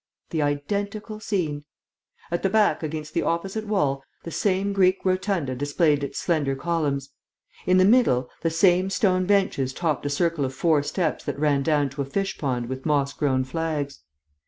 The identical scene! At the back, against the opposite wall, the same Greek rotunda displayed its slender columns. In the middle, the same stone benches topped a circle of four steps that ran down to a fish pond with moss grown flags.